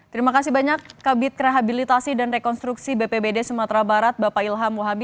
terima kasih banyak kabit rehabilitasi dan rekonstruksi bpbd sumatera barat bapak ilham muhabi